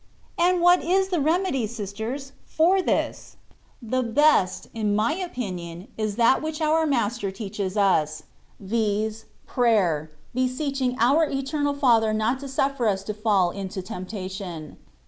And what is the remedy, sisters, for this ? The best, in my opinion, is that which our Master teaches us, viz., prayer, beseech ing our Eternal Father not to suflPer us to fall into temptation.